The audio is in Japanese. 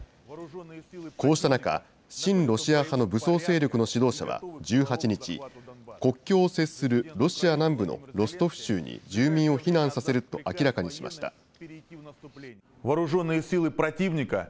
こうした中、親ロシア派の武装勢力の指導者は１８日、国境を接するロシア南部のロストフ州に住民を避難させると明らかにしました。